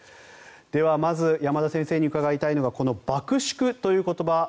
ではまず山田先生に伺いたいのは爆縮という言葉。